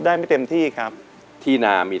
ได้ไม่เต็มที่ครับที่นามี